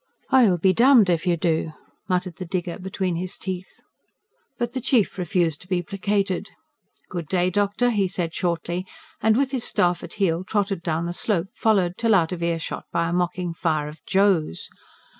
("I'll be damned if you do!" muttered the digger between his teeth.) But the Chief refused to be placated. "Good day, doctor," he said shortly, and with his staff at heel trotted down the slope, followed till out of earshot by a mocking fire of "Joes."